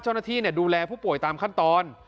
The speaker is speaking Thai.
เจ้าหน้าที่ดูแลผู้ป่วยตามขั้นตอน